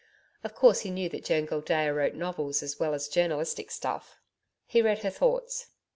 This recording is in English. Of course he knew that Joan Gildea wrote novels as well as journalistic stuff. He read her thoughts.